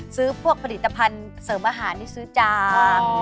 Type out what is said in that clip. ซื้อพวกผลิตภัณฑ์เสริมอาหารที่ซื้อจาง